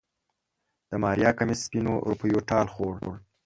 د ماريا کميس سپينو روپيو ټال خوړ.